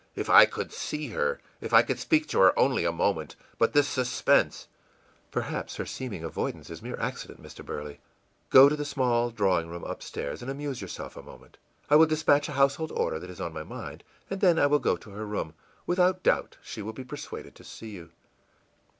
If I could see her, if I could speak to her only a moment but this suspense î ìPerhaps her seeming avoidance is mere accident, Mr. Burley. Go to the small drawing room up stairs and amuse yourself a moment. I will despatch a household order that is on my mind, and then I will go to her room. Without doubt she will be persuaded to see you.